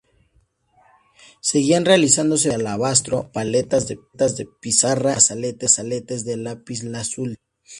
Seguían realizándose vasos de alabastro, paletas de pizarra y brazaletes de lapislázuli.